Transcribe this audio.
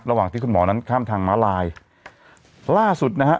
ระหว่างที่คุณหมอนั้นข้ามทางม้าลายล่าสุดนะฮะ